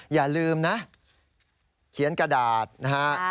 อย่าลืมนะเขียนกระดาษนะฮะ